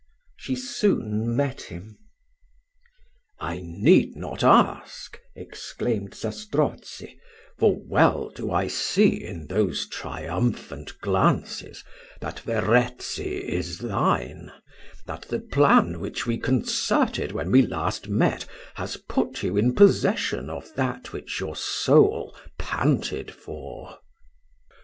She soon met him. "I need not ask," exclaimed Zastrozzi, "for well do I see, in those triumphant glances, that Verezzi is thine; that the plan which we concerted when last we met, has put you in possession of that which your soul panted for."